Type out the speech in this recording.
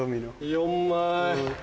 ４枚。